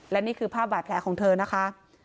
และนี่คือภาพบาดแผลของเธอนะคะ